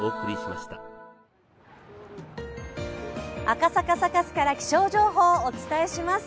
赤坂サカスから気象情報、お伝えします。